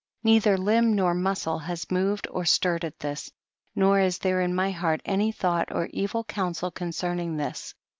55. Neither limb nor muscle has moved or stirred at this, nor is there in my heart any thought or evil counsel concerning this.